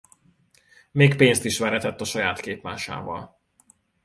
Még pénzt is veretett a saját képmásával.